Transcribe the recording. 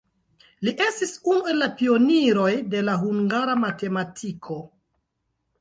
Li estis unu el la pioniroj de la hungara matematiko.